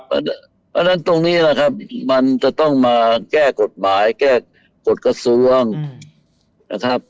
เพราะฉะนั้นตรงนี้นะครับมันจะต้องมาแก้กฎหมายแก้กฎกระทรวงนะครับ